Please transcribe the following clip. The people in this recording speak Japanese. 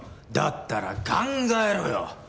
だったら考えろよ